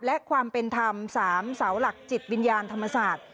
และความเป็นธรรม๓เสาหลักจิตวิญญาณธรรมศาสตร์